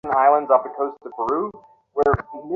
এ কথাটা বুঝি না বলিয়াই আমাদের যত দুঃখ।